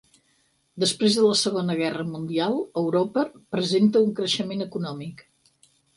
Després de la Segona Guerra Mundial, Europa presenta un creixement econòmic.